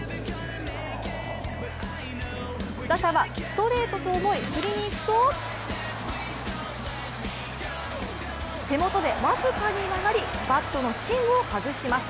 打者はストレートと思い振りにいくと手元で僅かに曲がりバットの芯を外します。